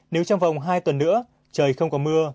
nếu trong vòng hai tuần nữa trời không có mưa